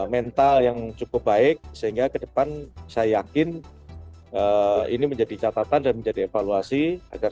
mental yang cukup baik sehingga ke depan saya yakin ini menjadi catatan dan menjadi evaluasi agar